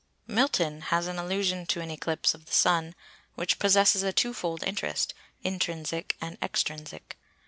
Milton has an allusion to an eclipse of the Sun which possesses a two fold interest—intrinsic and extrinsic.